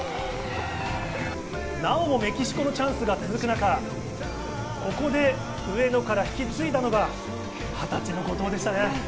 なおもメキシコのチャンスが続く中、ここで上野から引き継いだのが２０歳の後藤でしたね。